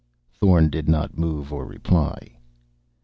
Thorn did not move or reply.